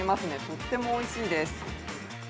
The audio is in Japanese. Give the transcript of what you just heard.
とってもおいしいです。